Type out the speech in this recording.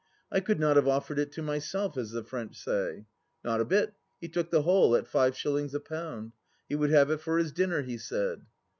I could not have offered it to myself, as the French say. Not a bit ; he took the whole, at five shillings a pound. He would have it for his dinner, he said.